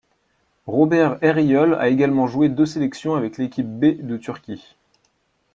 Rober Eryol a également joué deux sélections avec l'équipe B de Turquie.